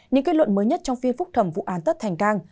những kết luận mới nhất trong phiên phúc thẩm vụ án tất thành cang